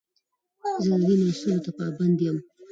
زه د دین اصولو ته پابند یم.